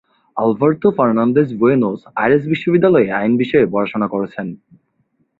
Alberto Fernandez Buenos Aires বিশ্ববিদ্যালয়ে আইন বিষয়ে পড়াশোনা করেছেন।